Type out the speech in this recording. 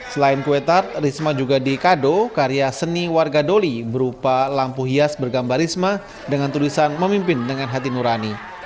selain kue tart risma juga dikado karya seni warga doli berupa lampu hias bergambar risma dengan tulisan memimpin dengan hati nurani